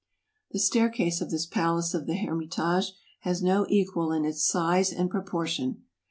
The staircase of this palace of the Hermitage has no equal in its size and proportion.